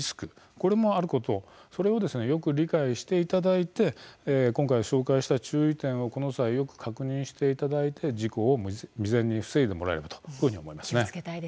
これがあることこれを理解していただいて今回、紹介した注意点を確認していただいて、事故を未然に防いでいただければと思います。